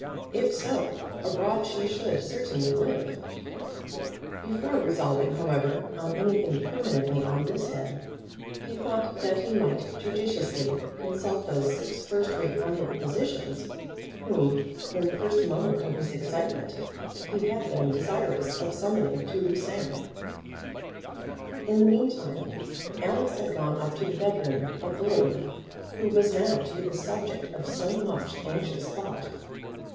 If so, abroad she should certainly live. Before resolving, however, on anything permanently on this head, he thought that he might judiciously consult those six first rate London physicians, whom, in the first moment of his excitement, he had been desirous of summoning to Lucerne. In the meantime Alice had gone up to the bedroom of the lady who was now to be the subject of so much anxious thought.